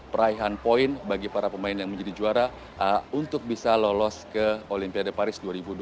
peraihan poin bagi para pemain yang menjadi juara untuk bisa lolos ke olimpiade paris dua ribu dua puluh